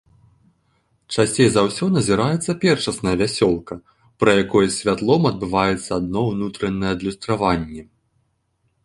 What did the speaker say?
Часцей за ўсё назіраецца першасная вясёлка, пры якой з святлом адбываецца адно ўнутранае адлюстраванне.